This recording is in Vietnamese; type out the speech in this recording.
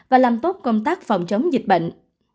và làm tốt công tác phòng chống dịch bệnh